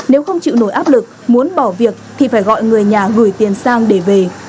nếu không chịu nổi áp lực muốn bỏ việc thì phải gọi người nhà gửi tiền sang để về